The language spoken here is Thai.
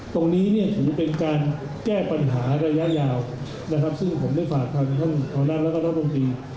ตรงนี้เป็นการแก้ปัญหาระยะยาวซึ่งผมได้ฝากท่านคอนัดและนักบังกลี